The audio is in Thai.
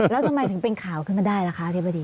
แล้วทำไมถึงเป็นข่าวขึ้นมาได้ล่ะคะอธิบดี